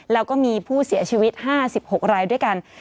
แล้วก็มีผู้เสียชีวิต๕๖รายด้วยกัน